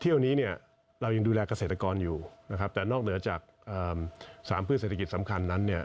ที่วันนี้เรายังดูแลเกษตรกรอยู่แต่นอกเหนือจาก๓พืชเศรษฐกิจสำคัญนั้น